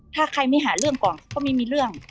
ถ้าใครไม่หาเรื่องก่อนก็ไม่มีเรื่อง